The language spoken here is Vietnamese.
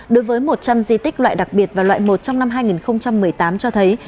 đối với một trăm linh di tích loại đặc biệt và loại một trong năm hai nghìn một mươi tám cho thấy